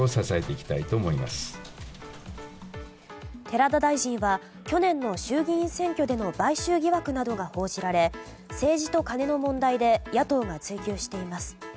寺田大臣は去年の衆議院選挙での買収疑惑などが報じられ政治とカネの問題で野党が追及しています。